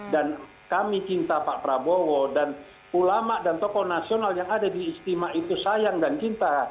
dan kami cinta pak prabowo dan ulama dan tokoh nasional yang ada di istimewa itu sayang dan cinta